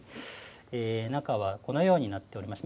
中はこのようになっております。